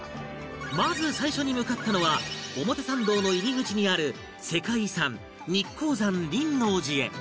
まず最初に向かったのは表参道の入り口にある世界遺産日光山輪王寺へ